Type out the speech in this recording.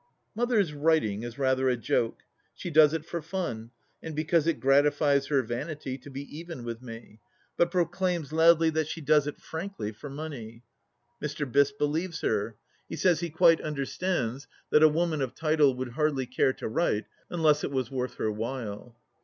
Mother's "writing" is rather a joke. She does it for fun, and because it gratifies her vanity to be even with me ; but proclaims loudly that she does it, " frankly," for money. Mr. Biss believes her ; he says he quite understands that a woman of title would hardly care to write unless it was worth her while.